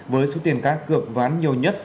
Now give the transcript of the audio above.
với số tiền các cược ván nhiều nhất